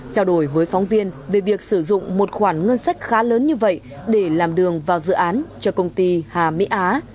trao đổi với phóng viên về việc sử dụng một khoản ngân sách khá lớn như vậy để làm đường vào dự án cho công ty hà mỹ á